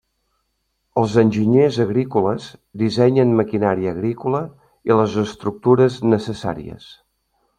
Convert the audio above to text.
Els enginyers agrícoles dissenyen maquinària agrícola i les estructures necessàries.